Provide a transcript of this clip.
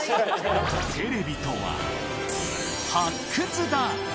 テレビとは、発掘だ！